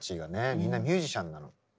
みんなミュージシャンなの。